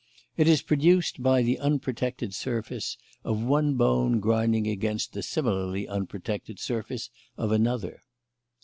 It is produced by the unprotected surface of one bone grinding against the similarly unprotected surface of another."